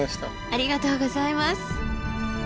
ありがとうございます！